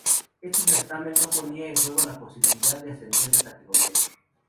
Este certamen no ponía en juego la posibilidad de ascender de categoría.